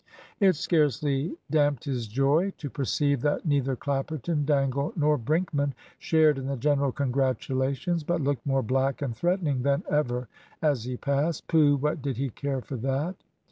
It scarcely damped his joy to perceive that neither Clapperton, Dangle, nor Brinkman shared in the general congratulations, but looked more black and threatening than ever as he passed. Pooh! what did he care for that!